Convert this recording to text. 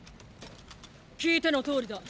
聞いてのとおりだ。